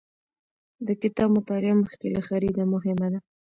د کتاب مطالعه مخکې له خرید مهمه ده.